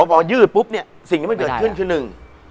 พอยืดปุ๊บเนี่ยสิ่งที่มันเกิดขึ้นคือหนึ่ง